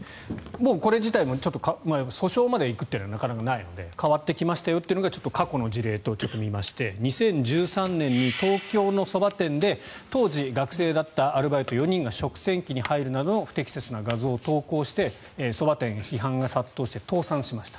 これ自体訴訟まで行くというのがなかなかないので変わってきましたよというのが過去の事例を見まして２０１３年に東京のそば店で当時学生だったアルバイト４人が食洗機に入るなど不適切な画像を投稿してそば店に批判が殺到して倒産しました。